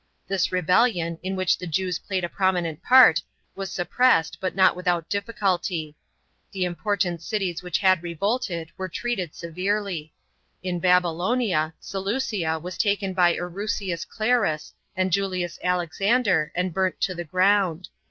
This rebellion, in which the Jews played a prominent part, was suppressed, but not without difficulty. The important cities which had revolted, were treated severely. In Babylonia, Seleucia was taken by Krucius Clarus and Julius Alexander, and burnt to the ground.